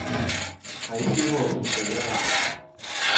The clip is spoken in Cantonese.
喺偏好設定一欄